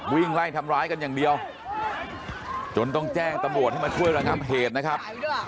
วิ่งไล่ทำร้ายกันอย่างเดียวจนต้องแจ้งตำรวจให้มาช่วยระงับเหตุนะครับ